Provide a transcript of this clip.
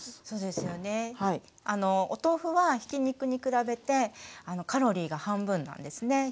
そうですよねお豆腐はひき肉に比べてカロリーが半分なんですね。